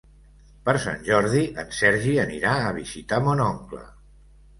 Per Sant Jordi en Sergi anirà a visitar mon oncle.